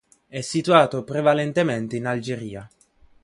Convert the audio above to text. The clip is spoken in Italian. È situato prevalentemente in Algeria.